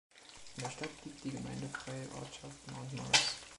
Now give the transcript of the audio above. In der Stadt liegt die gemeindefreie Ortschaft Mount Morris.